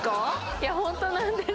いやホントなんです